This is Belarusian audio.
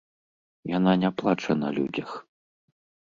Яна не плача на людзях.